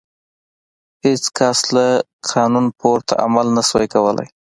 هېڅ کس له قانون پورته عمل نه شوای کولای.